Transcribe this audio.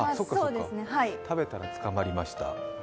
食べたら捕まりました